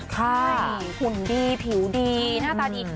ใช่หุ่นดีผิวดีหน้าตาดี